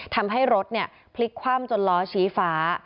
ทำให้รถพลิกคว่ำจนล้อชี้ฟ้า